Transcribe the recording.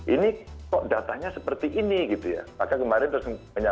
ini kok datanya seperti ini gitu ya